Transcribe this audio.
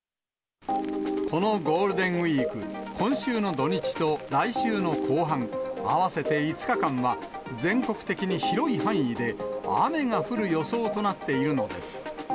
このゴールデンウィーク、今週の土日と来週の後半、合わせて５日間は、全国的に広い範囲で雨が降る予想となっているのです。